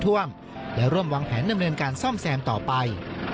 ท่วมและร่วมวางแผนดำเนินการซ่อมแซมต่อไป